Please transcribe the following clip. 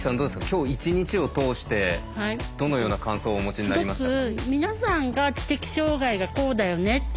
今日一日を通してどのような感想をお持ちになりましたか？